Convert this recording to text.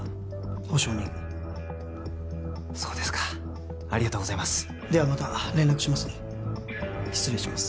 保証人そうですかありがとうございますではまた連絡しますね失礼します